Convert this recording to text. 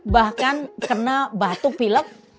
bahkan kena batuk pilek